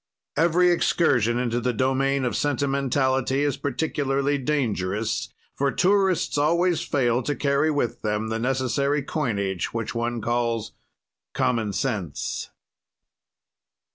"Every excursion into the domain of sentimentality is particularly dangerous, for tourists always fail to carry with them the necessary coinage which one calls common sense."